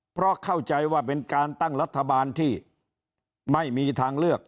เพราะเข้าใจว่าเป็นการตั้งรัฐบาลที่ไม่มีทางเลือก